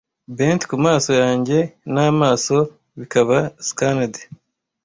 Bent ku maso yanjye, na amaso bikaba scanned